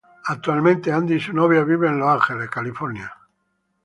Actualmente, Andy y su novia viven en Los Ángeles, California.